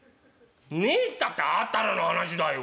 「ねえったってあったらの話だよ。